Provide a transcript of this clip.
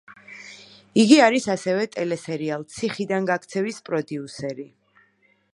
იგი არის ასევე ტელესერიალ „ციხიდან გაქცევის“ პროდიუსერი.